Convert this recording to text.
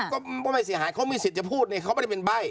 ก็ไม่เสียหายเขามีสิทธิ์จะพูดเนี่ยเขาไม่ได้เป็นใบ้